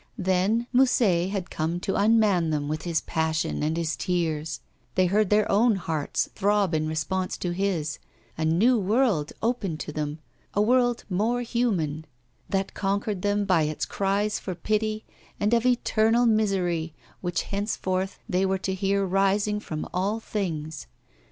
Then Musset had come to unman them with his passion and his tears; they heard their own hearts throb in response to his, a new world opened to them a world more human that conquered them by its cries for pity, and of eternal misery, which henceforth they were to hear rising from all things.